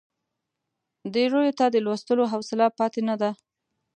ډېریو ته د لوستلو حوصله پاتې نه ده.